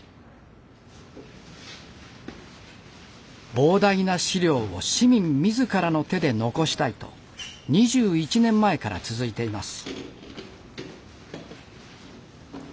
膨大な史料を市民自らの手で残したいと２１年前から続いています。